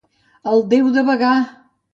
El Déu de Bagà!